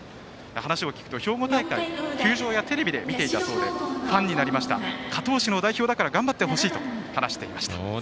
話を聞くと、兵庫大会を球場やテレビで見ていたそうでファンになりました加東市の代表だから頑張ってほしいと話していました。